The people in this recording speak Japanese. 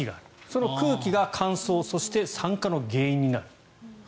その空気が乾燥そして酸化の原因になる。